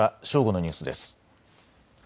正午のニュースです。